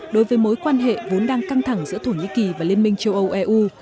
đối với mối quan hệ vốn đang căng thẳng giữa thổ nhĩ kỳ và liên minh châu âu eu